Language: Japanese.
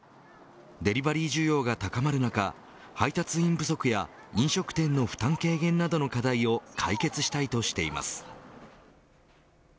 デリバリー需要が高まる中配達員不足や飲食店の負担軽減などの課題を解決したいとしています。